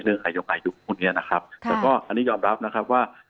นายกอายุพวกนี้นะครับแต่ก็อันนี้ยอมรับนะครับว่า